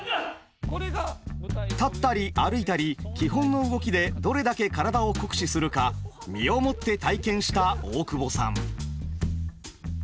立ったり歩いたり基本の動きでどれだけ体を酷使するか身をもって体験した大久保さん。